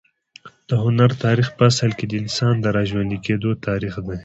د هنر تاریخ په اصل کې د انسان د راژوندي کېدو تاریخ دی.